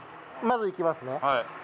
まずいきますね。